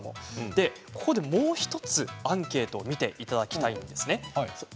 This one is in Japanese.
ここでもう１つ、アンケートを見ていただきたいんですね。